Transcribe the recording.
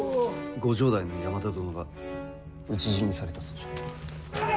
ご城代の山田殿が討ち死にされたそうじゃ。